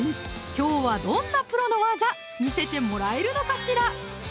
きょうはどんなプロの技見せてもらえるのかしら？